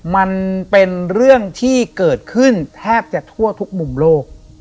มันเป็นเรื่องที่เกิดขึ้นแทบจะทั่วทุกมุมโลก